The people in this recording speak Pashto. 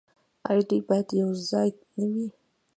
آیا دوی باید یوځای نه وي؟